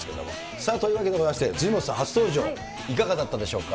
さあ、というわけでございまして、辻元さん、初登場、いかがだったでしょうか。